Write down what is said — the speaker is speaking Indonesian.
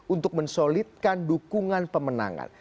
untuk mensolidkan dukungan pemenangan